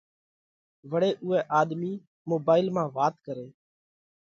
وۯي اُوئہ آۮمِي موبائيل مانه وات ڪرئِي